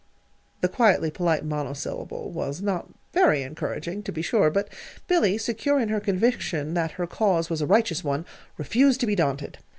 The quietly polite monosyllable was not very encouraging, to be sure; but Billy, secure in her conviction that her cause was a righteous one, refused to be daunted.